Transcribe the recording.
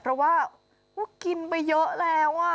เพราะว่าก็กินไปเยอะแล้ว